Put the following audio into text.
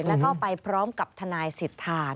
แล้วก็ไปพร้อมกับทนายสิทธา